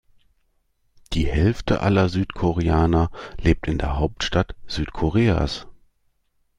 Die Hälfte aller Südkoreaner lebt in der Hauptstadt Südkoreas.